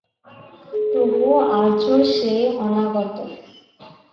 তবুও আজও সে অনাগত।